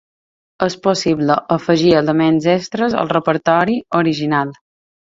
És possible afegir elements extres al repertori original.